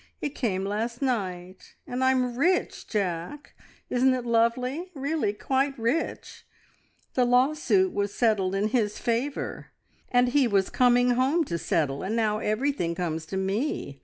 It came last night, and I'm rich, Jack! Isn't it lovely? really quite rich! The lawsuit was settled in his favour, and he was coming home to settle, and now everything comes to me.